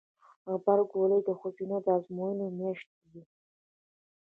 غبرګولی د ښوونځیو د ازموینو میاشت وي.